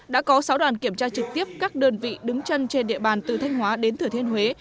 đã có sáu đoàn kiểm tra trực tiếp các đơn vị đứng chân trên địa bàn từ thanh hóa đến thử thiên huế